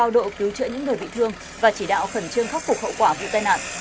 độ cứu trợ những người bị thương và chỉ đạo khẩn trương khắc phục hậu quả vụ tai nạn